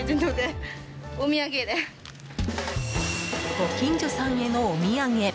ご近所さんへのお土産。